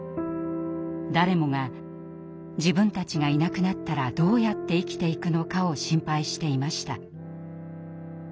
誰もが自分たちがいなくなったらどうやって生きていくのかを心配していました。